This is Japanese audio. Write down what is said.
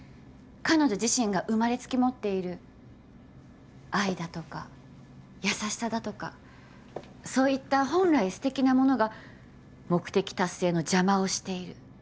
彼女自身が生まれつき持っている愛だとか優しさだとかそういった本来すてきなものが目的達成の邪魔をしている。